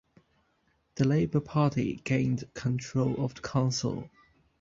The Labour Party gained control of the Council.